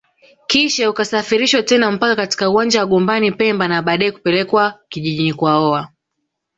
kisha ukasafirishwa tena mpaka katika uwanja wa Gombani pemba na baadae kupelekwa kijijini kwaoa